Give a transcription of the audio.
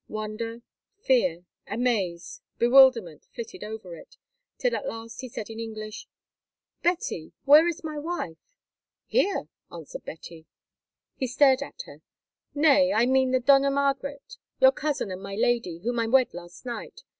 Wonder, fear, amaze, bewilderment, flitted over it, till at last he said in English: "Betty, where is my wife?" "Here," answered Betty. He stared at her. "Nay, I mean the Dona Margaret, your cousin and my lady, whom I wed last night.